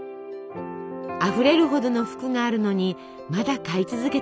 あふれるほどの服があるのにまだ買い続けている。